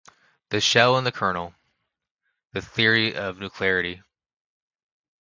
'The shell-and-the-kernel...the theory of nuclearity'.